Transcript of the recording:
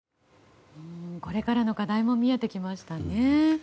これからの課題も見えてきましたね。